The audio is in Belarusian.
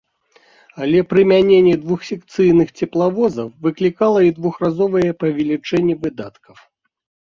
Але прымяненне двухсекцыйных цеплавозаў выклікала і двухразовае павелічэнне выдаткаў.